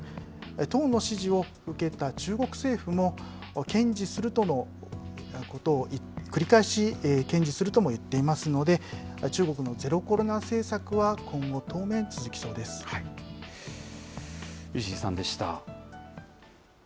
党の支持を受けた中国政府も、堅持するとのことを繰り返し、堅持するとも言っていますので、中国のゼロコロナ政策は今後、当面、石井さんでした。